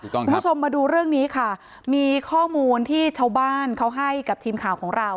คุณผู้ชมมาดูเรื่องนี้ค่ะมีข้อมูลที่ชาวบ้านเขาให้กับทีมข่าวของเรา